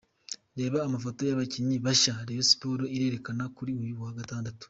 Reba amafoto y’abakinnyi bashya Rayon Sports Irerekana kuri uyu wa gatandatu.